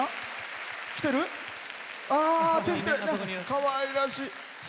かわいらしい。